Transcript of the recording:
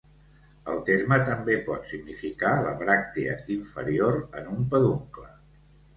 El terme també pot significar la bràctea inferior en un peduncle.